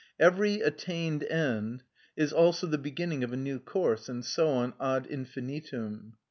Every attained end is also the beginning of a new course, and so on ad infinitum.